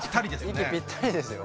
息ぴったりですよ。